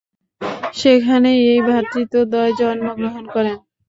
সেখানেই এই ভ্রাতৃদ্বয় জন্মগ্রহণ করেন।